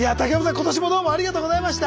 今年もどうもありがとうございました。